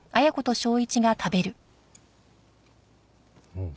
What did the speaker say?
うん。